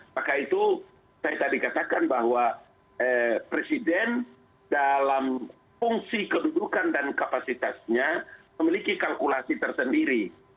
maka itu saya tadi katakan bahwa presiden dalam fungsi kedudukan dan kapasitasnya memiliki kalkulasi tersendiri